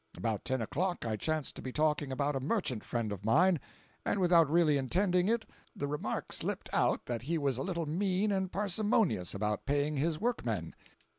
About ten o'clock I chanced to be talking about a merchant friend of mine, and without really intending it, the remark slipped out that he was a little mean and parsimonious about paying his workmen.